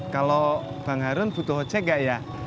kalo bang harun butuh ocek gak ya